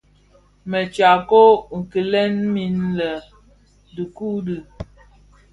Më tyako kileň min lè di dhikuu.